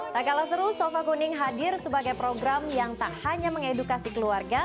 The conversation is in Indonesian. tak kalah seru sofa kuning hadir sebagai program yang tak hanya mengedukasi keluarga